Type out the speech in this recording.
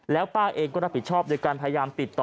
แล้วป้าเองก็รับผิดชอบโดยการพยายามติดต่อ